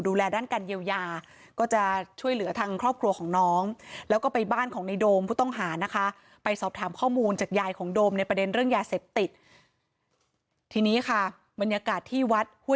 ดูแลด้านการเยี่ยวยา